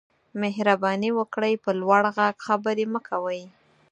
مهرباني وکړئ په لوړ غږ خبرې مه کوئ